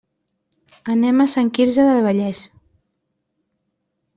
Anem a Sant Quirze del Vallès.